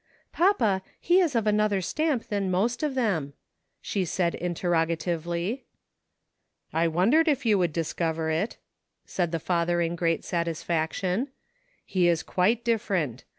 " Papa, he is of another stamp than most of them," she said interrogatively. " I wondered if you would discover it," said the father in great satisfaction, " He is quite different.